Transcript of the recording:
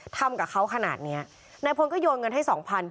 ทำกับเขาขนาดเนี้ยนายพลก็โยนเงินให้สองพัน